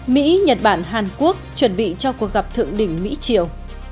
mỹ nhật bản hàn quốc chuẩn bị cho cuộc gặp thượng đỉnh mỹ triều